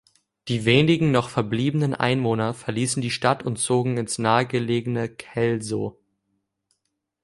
Die wenigen noch verbliebenen Einwohner verließen die Stadt und zogen ins nahe gelegene Kelso.